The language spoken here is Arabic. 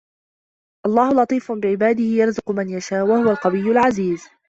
الله لطيف بعباده يرزق من يشاء وهو القوي العزيز